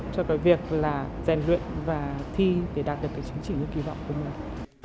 cho cái việc là rèn luyện và thi để đạt được cái chứng chỉ như kỳ vọng của mình